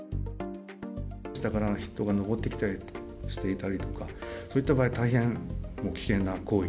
下から人が登ってきたりしていたりとか、そういった場合、大変危険な行為。